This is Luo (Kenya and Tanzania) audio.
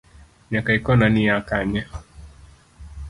Nyakaikona ni hiya kanye.